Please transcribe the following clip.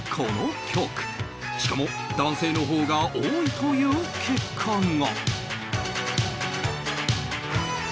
しかも男性の方が多いという結果が